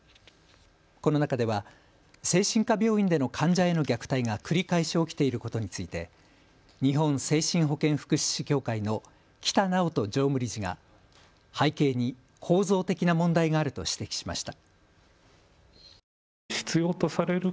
この中では精神科病院での患者への虐待が繰り返し起きていることについて日本精神保健福祉士協会の木太直人常務理事が背景に構造的な問題があると指摘しました。